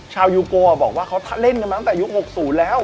ชาวยูโกอ่ะบอกว่าเขาเล่นมาตั้งแต่ยุค๖๐แล้ว